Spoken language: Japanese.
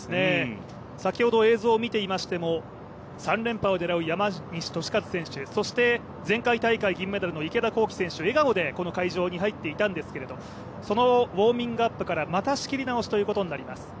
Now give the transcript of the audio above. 先ほど映像を見ていましても３連覇を狙う山西利和選手、そして前回大会銀メダルの池田向希選手笑顔でこの会場に入っていたんですけれどそのウォーミングアップからまた仕切り直しということになります。